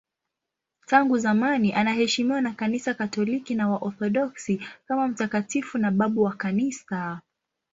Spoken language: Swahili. Tangu zamani anaheshimiwa na Kanisa Katoliki na Waorthodoksi kama mtakatifu na babu wa Kanisa.